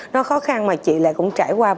nó khó khăn mà chị lại cũng trải qua